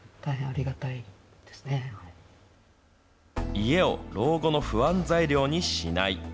家を老後の不安材料にしない。